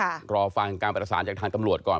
เราต้องรอฟังการปริศาลจากทางตำรวจก่อน